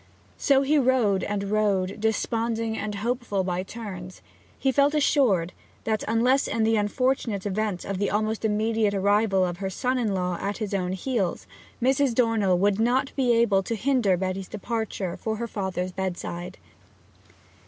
So he rode and rode, desponding and hopeful by turns. He felt assured that, unless in the unfortunate event of the almost immediate arrival of her son in law at his own heels, Mrs. Dornell would not be able to hinder Betty's departure for her father's bedside.